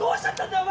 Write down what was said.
お前。